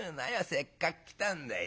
せっかく来たんだい。